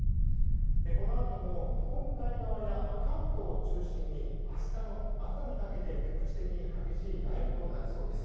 このあとも日本海側や関東を中心に明日の朝にかけて、局地的に激しい雷雨となりそうです。